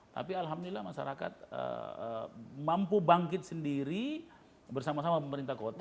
tapi alhamdulillah masyarakat mampu bangkit sendiri bersama sama pemerintah kota